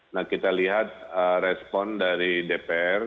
nah kita lihat respon dari dpr